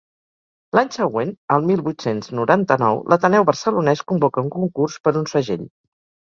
L'any següent, el mil vuit-cents noranta-nou, l'Ateneu Barcelonès convoca un concurs per un segell.